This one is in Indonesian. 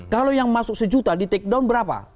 kalau yang masuk sejuta ditakedown berapa